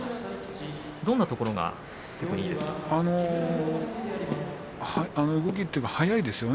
どんなところがいいですか。